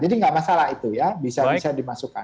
jadi nggak masalah itu ya bisa bisa dimasukkan